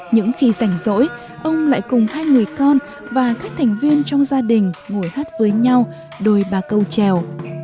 những khi rảnh rỗi ông lại cùng hai người con và các thành viên trong gia đình ngồi hát với nhau đôi ba câu trèo